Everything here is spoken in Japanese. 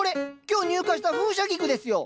今日入荷した風車菊ですよ。